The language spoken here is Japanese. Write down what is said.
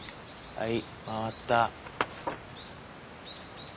はい。